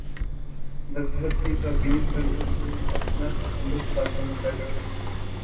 مذہب کی تعبیر پر اس نے اپنا تسلط قائم کر رکھا ہے۔